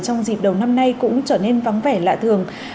trong dịp đầu năm nay cũng trở nên vắng vẻ lạ thường